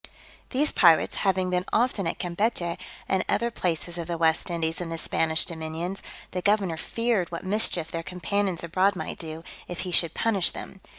These pirates having been often at Campechy, and other places of the West Indies in the Spanish dominions, the governor feared what mischief their companions abroad might do, if he should punish them.